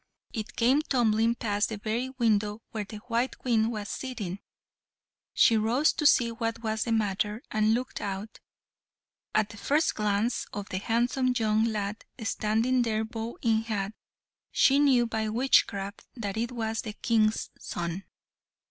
It came tumbling past the very window where the white Queen was sitting; she rose to see what was the matter, and looked out. At the first glance of the handsome young lad standing there bow in hand, she knew by witchcraft that it was the King's son.